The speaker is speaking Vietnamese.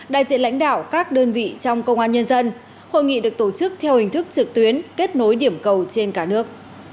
đại diện lãnh đạo các đơn vị trong công an nhân dân hội nghị được tổ chức theo hình thức trực tuyến kết nối điểm cầu trên cả nước